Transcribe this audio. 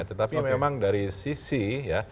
tetapi memang dari sisi ya